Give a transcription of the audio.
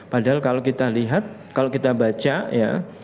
padahal kalau kita lihat kalau kita baca ya